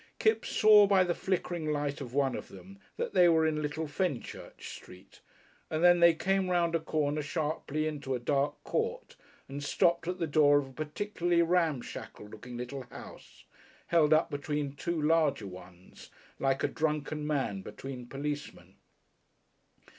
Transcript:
Kipps saw by the flickering light of one of them that they were in Little Fenchurch Street, and then they came round a corner sharply into a dark court and stopped at the door of a particularly ramshackle looking little house, held up between two larger ones, like a drunken man between policemen.